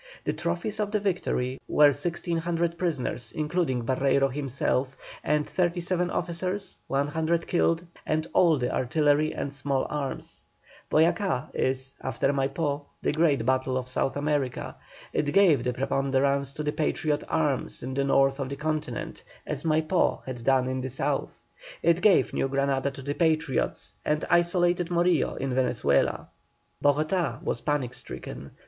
The trophies of the victory were 1,600 prisoners, including Barreiro himself, and 37 officers, 100 killed, and all the artillery and small arms. Boyacá is, after Maipó, the great battle of South America. It gave the preponderance to the Patriot arms in the North of the Continent, as Maipó had done in the South. It gave New Granada to the Patriots, and isolated Morillo in Venezuela. Bogotá was panic stricken.